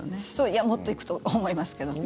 いや、もっと行くと思いますけども。